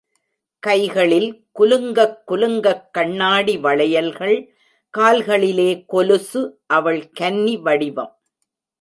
கைகளில் குலுங்கக் குலுங்கக் கண்ணாடி வளையல்கள், கால்களிலே கொலுசு அவள் கன்னி வடிவம்!